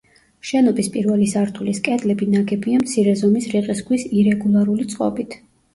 შენობის პირველი სართულის კედლები ნაგებია მცირე ზომის რიყის ქვის ირეგულარული წყობით.